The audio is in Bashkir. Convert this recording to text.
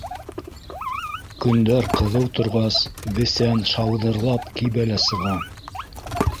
Көндәр ҡыҙыу торғас, бесән шауҙырлап кибә лә сыға